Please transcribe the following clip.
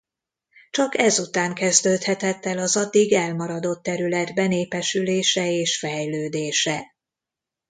Csak ezután kezdődhetett el az addig elmaradott terület benépesülése és fejlődése.